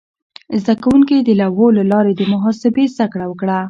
زده کوونکي د لوحو له لارې د محاسبې زده کړه وکړه.